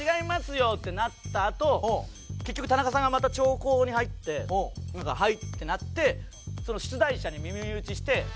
よってなったあと結局田中さんがまた長考に入って「はい」ってなって出題者に耳打ちして。